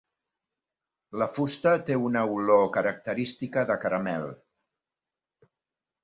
La fusta té una olor característica de caramel.